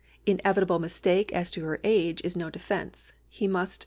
Inevitable mistake as to her age is no defence ; he must take the risk.